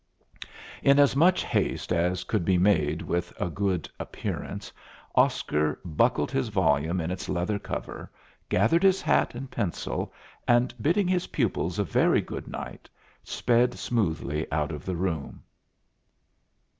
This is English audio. In as much haste as could be made with a good appearance, Oscar buckled his volume in its leather cover, gathered his hat and pencil, and, bidding his pupils a very good night, sped smoothly out of the room.